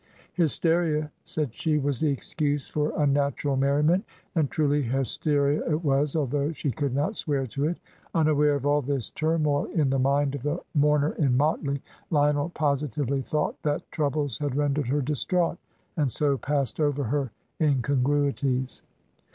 Hysteria, said she, was the excuse for unnatural merriment, and truly hysteria it was, although she could not swear to it. Unaware of all this turmoil in the mind of the mourner in motley, Lionel positively thought that troubles had rendered her distraught, and so passed over her incongruities.